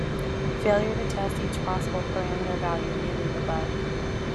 Failure to test each possible parameter value may leave a bug.